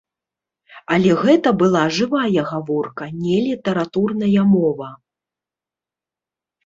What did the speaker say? Але гэта была жывая гаворка, не літаратурная мова.